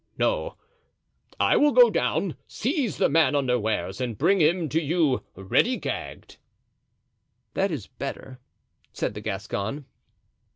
No; I will go down, seize the man unawares and bring him to you ready gagged." "That is better," said the Gascon.